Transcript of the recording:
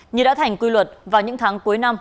như đã thành quy luật vào những tháng cuối năm